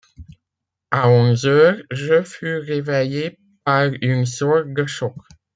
À onze heures, je fus réveillé par une sorte de choc.